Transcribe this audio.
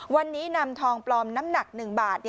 วันนี้นำทองปลอมน้ำหนัก๑บาท